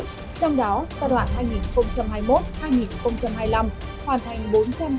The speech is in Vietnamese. trong đó giai đoạn hai nghìn hai mươi một hai nghìn hai mươi năm hoàn thành bốn trăm hai mươi